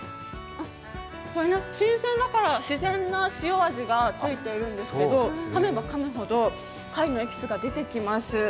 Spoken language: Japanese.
新鮮だから、自然な塩味がついているんですけど、かめばかむほど貝のエキスが出てきます。